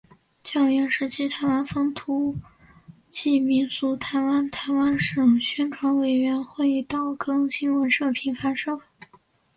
教员时期台湾风土记民俗台湾台湾省宣传委员会岛根新闻社平凡社